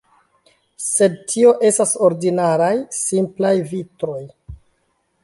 Sed tio estas ordinaraj, simplaj vitroj.